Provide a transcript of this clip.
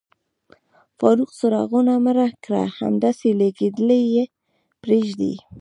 فاروق، څراغونه مړه کړه، همداسې لګېدلي یې پرېږدئ.